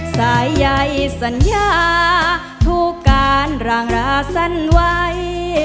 สายใยสัญญาทุกการรางราสั้นไว้